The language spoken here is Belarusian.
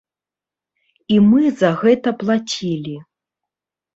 І мы за гэта плацілі.